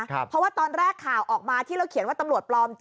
เพราะว่าตอนแรกข่าวออกมาที่เราเขียนว่าตำรวจปลอม